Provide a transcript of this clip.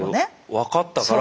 分かったから。